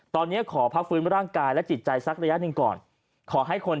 ตอนนี้ขอพักฟื้นร่างกายและจิตใจสักระยะหนึ่งก่อนขอให้คน